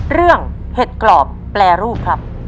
เรื่องเห็ดกรอบแปรรูปครับ